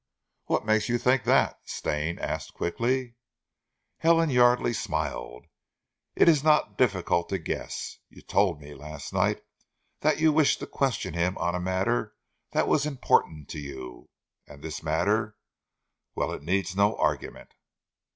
"What makes you think that?" Stane asked quickly. Helen Yardely smiled. "It is not difficult to guess. You told me last night that you wished to question him on a matter that was important to you. And this matter Well! it needs no argument."